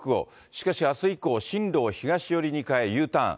しかし、あす以降、進路を東寄りに変え、Ｕターン。